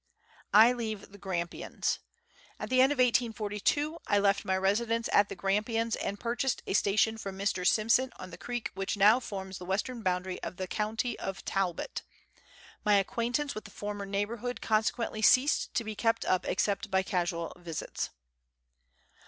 / leave the Grampians. At the end of 1842 I left my residence at the Grampians and purchased a station from Mr. Simson on the creek which now forms the western boundary of the county of Talbot. My acquaintance with the former neighbourhood consequently ceased to be kept up except by casual visits.